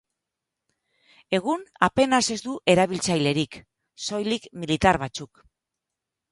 Egun apenas ez du erabiltzailerik, soilik militar batzuk.